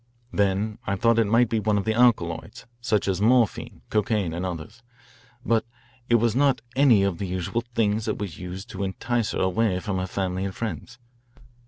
Then I thought it might be one of the alkaloids, such as morphine, cocaine, and others. But it was not any of the usual things that was used to entice her away from her family and friends.